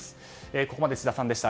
ここまで智田さんでした。